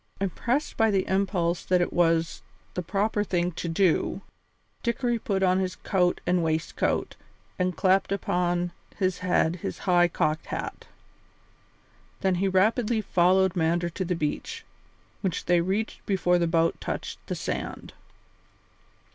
Impressed by the impulse that it was the proper thing to do, Dickory put on his coat and waistcoat and clapped upon his head his high cocked hat. Then he rapidly followed Mander to the beach, which they reached before the boat touched the sand.